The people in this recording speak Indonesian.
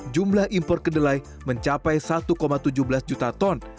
jumlah impor kedelai mencapai satu tujuh belas juta ton